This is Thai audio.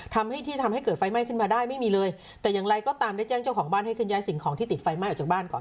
ทำให้ที่ทำให้เกิดไฟไหม้ขึ้นมาได้ไม่มีเลยแต่อย่างไรก็ตามได้แจ้งเจ้าของบ้านให้ขึ้นย้ายสิ่งของที่ติดไฟไหม้ออกจากบ้านก่อน